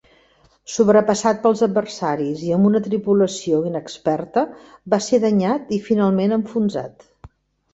Sobrepassat pels adversaris i amb una tripulació inexperta va ser danyat i finalment enfonsat.